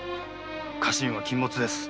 過信は禁物です。